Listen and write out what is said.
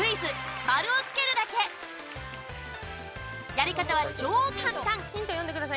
やり方は超簡単！